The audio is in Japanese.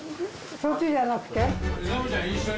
そっちじゃなくて？